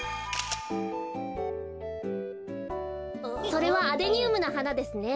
それはアデニウムのはなですね。